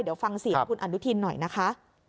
เดี๋ยวฟังเสียงคุณอนุทินหน่อยนะคะ